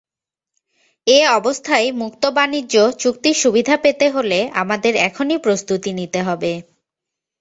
এ অবস্থায় মুক্তবাণিজ্য চুক্তির সুবিধা পেতে হলে আমাদের এখনই প্রস্তুতি নিতে হবে।